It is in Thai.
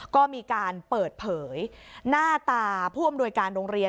ก็มีการเปิดเผยหน้าตาผู้อำนวยการโรงเรียน